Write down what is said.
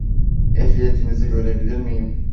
Ehliyetinizi görebilir miyim?